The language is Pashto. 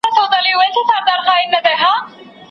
چی را یادي می ساده ورځی زلمۍ سي